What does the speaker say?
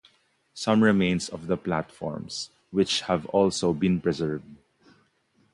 Some remains of the platforms which have also been preserved.